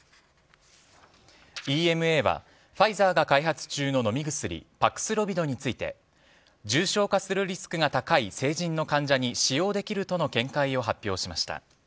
ＥＭＡはファイザーが開発中の飲み薬パクスロビドについて重症化するリスクが高い成人の患者に使用できるとの見解を発表しました。